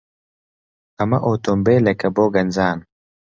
ئەمە ئۆتۆمۆبیلێکە بۆ گەنجان.